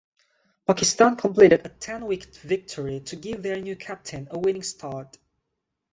Pakistan completed a ten wicket victory to give their new captain a winning start.